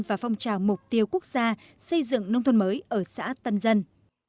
và phong trào mục tiêu quốc gia xây dựng nông thôn mới ở xã tân dân